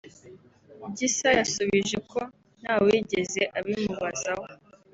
Gisa yasubije ko ntawigeze abimubazaho